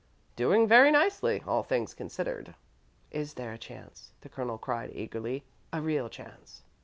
"Doing very nicely, all things considered." "Is there a chance?" the Colonel cried, eagerly; "a real chance?"